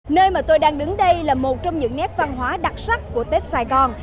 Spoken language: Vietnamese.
nơi mà tôi đang đứng đây là một trong những nét văn hóa đặc sắc của tết sài gòn